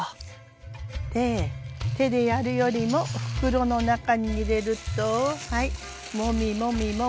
で手でやるよりも袋の中に入れるとはいもみもみもみ。